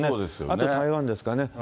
あと台湾ですかね。